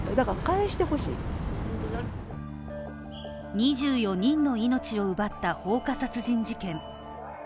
２４人の命を奪った放火殺人事件。